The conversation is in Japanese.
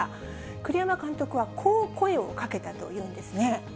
栗山監督は、こう声をかけたというんですね。